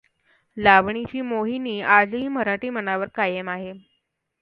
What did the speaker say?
लावणीची मोहिनी आजही मराठी मनावर कायम आहे.